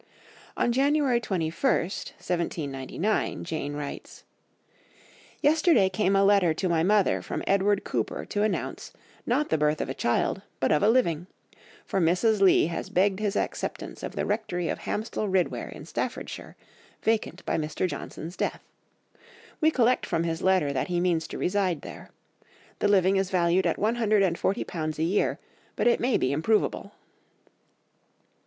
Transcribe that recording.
On January 21, 1799, Jane writes: "Yesterday came a letter to my mother from Edward Cooper to announce, not the birth of a child, but of a living; for Mrs. Leigh has begged his acceptance of the rectory of Hamstall Ridware in Staffordshire, vacant by Mr. Johnson's death. We collect from his letter that he means to reside there. The living is valued at one hundred and forty pounds a year, but it may be improvable."